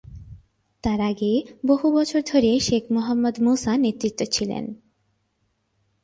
তার আগে, বহু বছর ধরে শেখ মোহাম্মদ মুসা নেতৃত্বে ছিলেন।